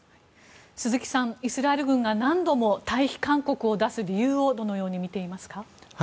鈴木さん、イスラエル軍が何度も退避勧告を出す理由をどのように見ていますか？